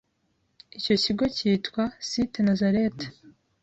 Icyo kigo cyitwa Cité Nazareth